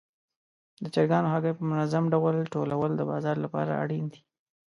د چرګانو هګۍ په منظم ډول ټولول د بازار لپاره اړین دي.